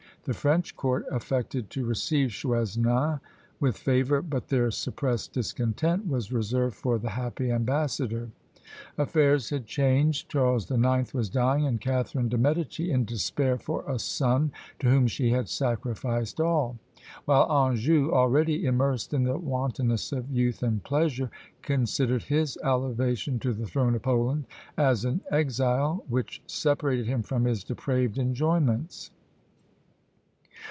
The French court affected to receive Choisnin with favour, but their suppressed discontent was reserved for "the happy ambassador!" Affairs had changed; Charles the Ninth was dying, and Catharine de' Medici in despair for a son to whom she had sacrificed all; while Anjou, already immersed in the wantonness of youth and pleasure, considered his elevation to the throne of Poland as an exile which separated him from his depraved enjoyments!